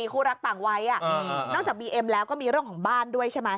คู่รักต่างวัยนอกจากบีเอ็มแล้วก็มีเรื่องของบ้านด้วยใช่ไหม